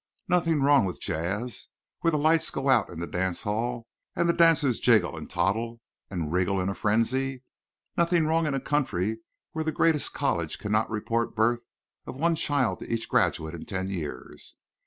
Nothing wrong with jazz—where the lights go out in the dance hall and the dancers jiggle and toddle and wiggle in a frenzy? Nothing wrong in a country where the greatest college cannot report birth of one child to each graduate in ten years?